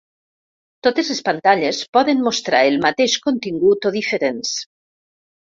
Totes les pantalles poden mostrar el mateix contingut o diferents.